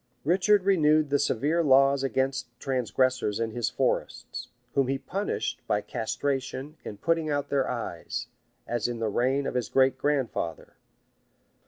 Richard renewed the severe laws against transgressors in his forests, whom he punished by castration and putting out their eyes, as in the reign of his great grandfather.